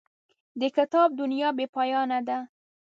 د کتاب دنیا بې پایانه ده.